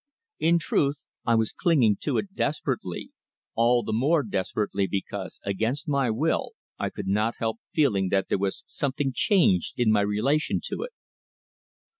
In truth I was clinging to it desperately, all the more desperately because, against my will, I could not help feeling that there was something changed in my relation to it.